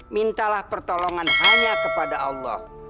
mintalah pertolongan hanya kepada allah